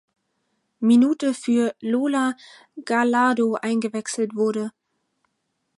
Minute für Lola Gallardo eingewechselt wurde.